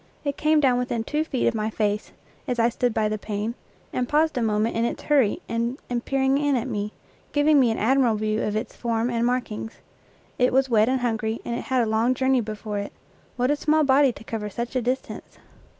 It came down within two feet of my face, as I stood by the pane, and paused a moment in its hurry and peered in at me, giving me an admirable view of its form and markings. It was wet and hungry, and it had a long journey before it. What a small body to cover such a distance!